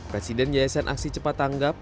presiden yayasan aksi cepat tanggap